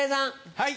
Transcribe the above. はい。